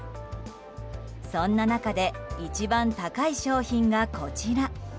そんな中で一番高い商品がこちら。